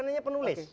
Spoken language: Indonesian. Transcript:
bukan hanya penulis